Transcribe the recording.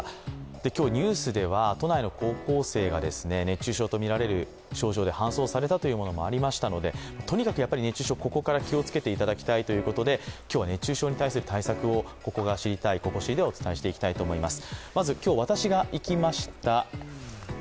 今日、ニュースでは都内の高校生が熱中症とみられる症状で搬送されたというものもありましたので、とにかく熱中症、ここから気をつけていただきたいということで今日は熱中症に対する対策を「ここが知りたい！」でお伝えしていきたいと思います。